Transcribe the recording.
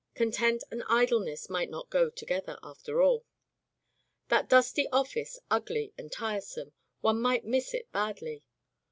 Content and idleness might not go together, after all. That dusty office, ugly and tiresome — one might miss it badly.